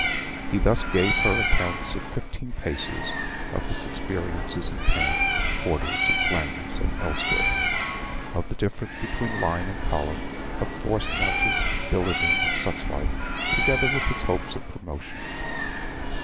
He thus gave her accounts at fifteen paces of his experiences in camp, in quarters, in Flanders, and elsewhere; of the difference between line and column, of forced marches, billeting, and such like, together with his hopes of promotion.